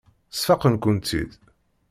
Sfaqen-kent-id.